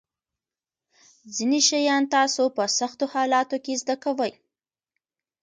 ځینې شیان تاسو په سختو حالاتو کې زده کوئ.